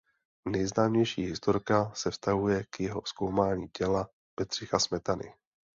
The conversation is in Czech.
Nejzajímavější historka se vztahuje k jeho zkoumání těla Bedřicha Smetany.